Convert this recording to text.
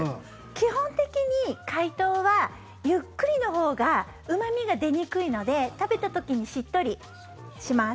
基本的に解凍はゆっくりのほうがうま味が出にくいので食べた時にしっとりします。